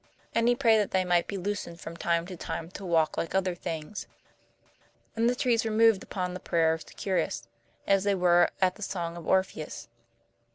And he prayed that they might be loosened from time to time to walk like other things. And the trees were moved upon the prayers of Securis, as they were at the songs of Orpheus.